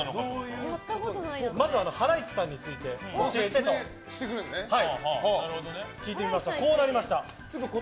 まずはハライチさんについて教えてと聞いてみますとこうなりました。